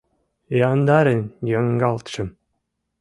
Яндарын йоҥгалтшым.